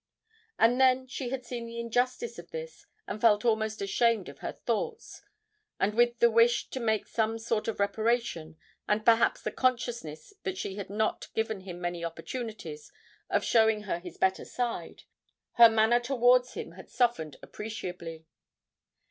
And then she had seen the injustice of this and felt almost ashamed of her thoughts, and with the wish to make some sort of reparation, and perhaps the consciousness that she had not given him many opportunities of showing her his better side, her manner towards him had softened appreciably.